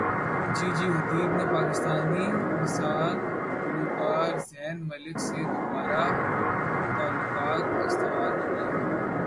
جی جی Hadid نے پاکستانی نژاد گلوکار زین ملک سے دوبارہ تعلقات استوار کرلیے